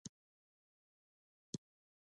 څنګه کولی شم د ماشومانو د امتحان فشار کم کړم